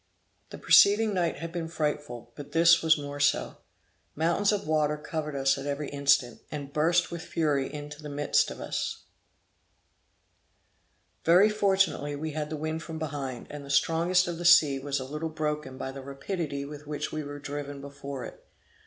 The preceding night had been frightful, but this was more so. Mountains of water covered us at every instant, and burst with fury into the midst of us. Very fortunately we had the wind from behind, and the strongest of the sea was a little broken by the rapidity with which we were driven before it.